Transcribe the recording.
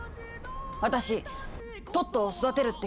⁉私トットを育てるって決めた。